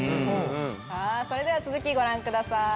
さぁそれでは続きご覧ください。